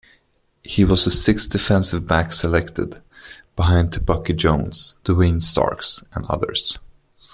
He was the sixth defensive back selected, behind Tebucky Jones, Duane Starks, and others.